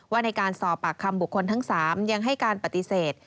ในการสอบปากคำบุคคลทั้ง๓ยังให้การปฏิเสธ